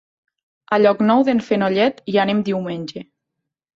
A Llocnou d'en Fenollet hi anem diumenge.